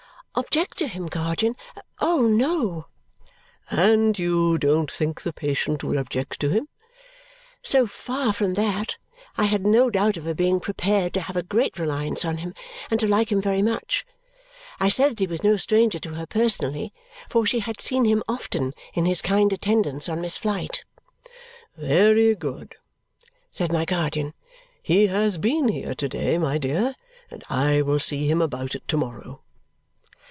"Object to him, guardian? Oh no!" "And you don't think the patient would object to him?" So far from that, I had no doubt of her being prepared to have a great reliance on him and to like him very much. I said that he was no stranger to her personally, for she had seen him often in his kind attendance on Miss Flite. "Very good," said my guardian. "He has been here to day, my dear, and I will see him about it to morrow."